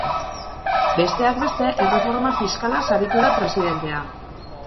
Besteak beste, erreforma fiskalaz aritu da presidentea.